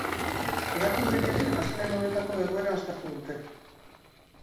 Erakundeek ere astelehen honetako egoera aztertu dute.